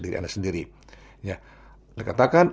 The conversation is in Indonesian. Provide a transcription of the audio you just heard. dengan anda sendiri ya dikatakan